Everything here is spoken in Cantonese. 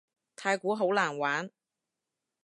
太鼓好難玩